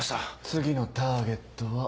次のターゲットは。